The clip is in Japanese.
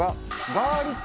ガーリック？